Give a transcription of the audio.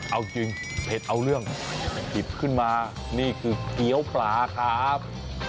เอาจริงเผ็ดเอาเรื่องหยิบขึ้นมานี่คือเกี้ยวปลาครับ